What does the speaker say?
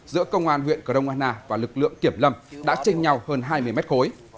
giữa công an huyện cờ rông anna và lực lượng kiểm lâm đã chênh nhau hơn hai mươi mét khối